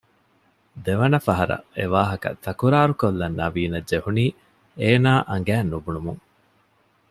ދެވަނަ ފަހަރަށް އެވާހަކަ ތަކުރާރުކޮއްލަން ނަވީނަށް ޖެހުނީ އޭނާ އަނގައިން ނުބުނުމުން